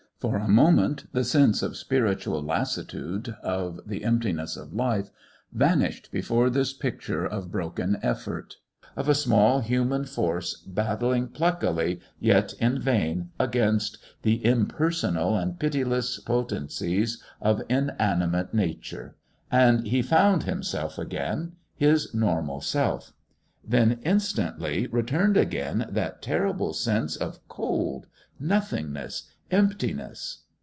For a moment the sense of spiritual lassitude of the emptiness of life vanished before this picture of broken effort of a small human force battling pluckily, yet in vain, against the impersonal and pitiless Potencies of Inanimate Nature and he found himself again, his normal self. Then, instantly, returned again that terrible sense of cold, nothingness, emptiness....